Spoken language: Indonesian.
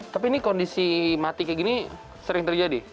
tapi ini kondisi mati kayak gini sering terjadi